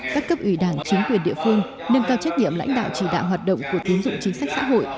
các cấp ủy đảng chính quyền địa phương nâng cao trách nhiệm lãnh đạo chỉ đạo hoạt động của tiến dụng chính sách xã hội